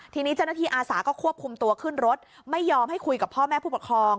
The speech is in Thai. ทีนี้เจ้าหน้าที่อาสาก็ควบคุมตัวขึ้นรถไม่ยอมให้คุยกับพ่อแม่ผู้ปกครอง